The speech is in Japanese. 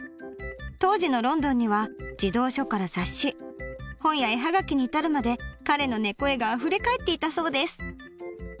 当時のロンドンには児童書から雑誌本や絵葉書に至るまで彼のねこ絵があふれかえっていたそうです。